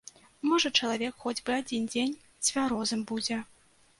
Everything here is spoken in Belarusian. Можа, чалавек хоць бы адзін дзень цвярозым будзе.